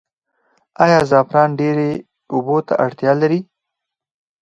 آیا زعفران ډیرې اوبو ته اړتیا لري؟